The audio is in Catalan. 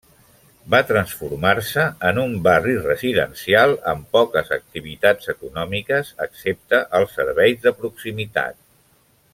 Va transformar-se en un barri residencial amb poques activitats econòmiques excepte els serveis de proximitat.